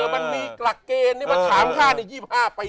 มันมีกลัวกเกณฑ์มันถามค่าใน๒๕ปีเนี่ย